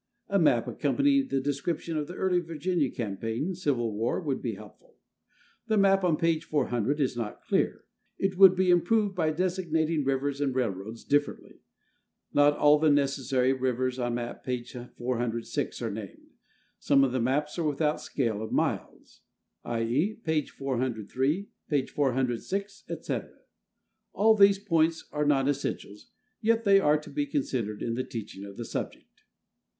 A map accompanying the description of the early Virginia campaign (Civil War) would be helpful. The map on page 400 is not clear; it would be improved by designating rivers and railroads differently. Not all the necessary rivers on map, p. 406, are named. Some of the maps are without scale of miles, i. e., p. 403, p. 406, &c. All these points are non essentials, yet they are to be considered in the teaching of the subject.